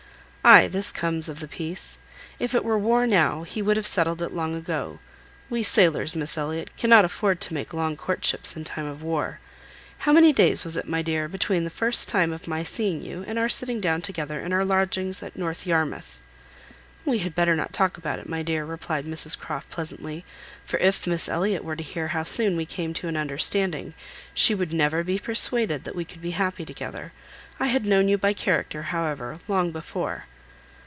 Ay, this comes of the peace. If it were war now, he would have settled it long ago. We sailors, Miss Elliot, cannot afford to make long courtships in time of war. How many days was it, my dear, between the first time of my seeing you and our sitting down together in our lodgings at North Yarmouth?" "We had better not talk about it, my dear," replied Mrs Croft, pleasantly; "for if Miss Elliot were to hear how soon we came to an understanding, she would never be persuaded that we could be happy together. I had known you by character, however, long before."